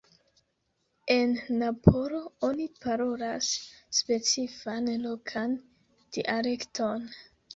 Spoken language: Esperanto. En Napolo oni parolas specifan lokan dialekton.